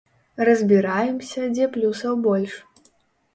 Разбіраемся, дзе плюсаў больш.